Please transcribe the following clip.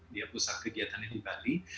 dia pusat kegiatannya di bali